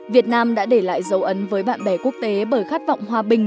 việt nam đã để lại dấu ấn với bạn bè quốc tế bởi khát vọng hòa bình